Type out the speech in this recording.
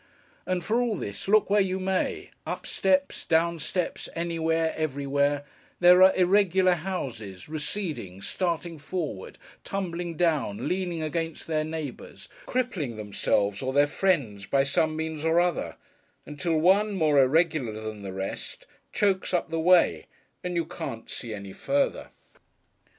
And for all this, look where you may: up steps, down steps, anywhere, everywhere: there are irregular houses, receding, starting forward, tumbling down, leaning against their neighbours, crippling themselves or their friends by some means or other, until one, more irregular than the rest, chokes up the way, and you can't see any further.